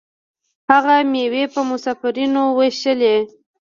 هغه میوې په مسافرینو ویشلې.